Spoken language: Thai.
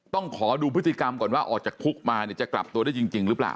ต้องขอดูพฤติกรรมก่อนว่าออกจากคุกมาเนี่ยจะกลับตัวได้จริงหรือเปล่า